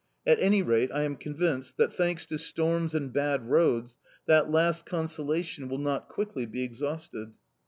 At any rate, I am convinced that, thanks to storms and bad roads, that last consolation will not quickly be exhausted!